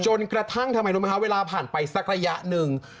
กระทั่งทำไมรู้ไหมคะเวลาผ่านไปสักระยะหนึ่ง